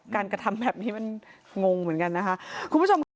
การกระทำแบบนี้มันงงเหมือนกันนะค่ะ